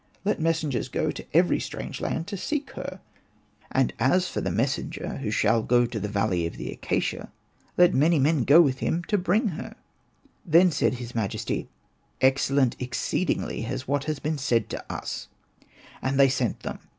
Let messengers go to every strange land to seek her : and as for Hosted by Google ANPU AND BATA 55 the messenger who shall go to the valley of the acacia, let many men go with him to bring her." Then said his majesty, " Excel lent exceedingly is what has been said to us ;" and they sent them.